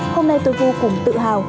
hôm nay tôi vô cùng tự hào